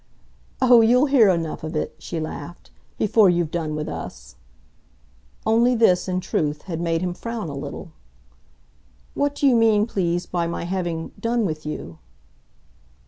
"Oh, you'll hear enough of it," she laughed, "before you've done with us." Only this, in truth, had made him frown a little. "What do you mean, please, by my having 'done' with you?"